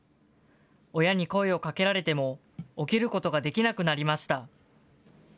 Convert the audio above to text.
親に声をかけられても起きることができなくなりました。